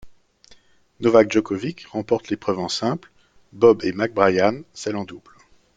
Novak Djokovic remporte l'épreuve en simple, Bob et Mike Bryan celle en double.